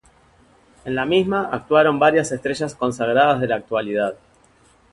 En la misma, actuaron varias estrellas consagradas de la actualidad.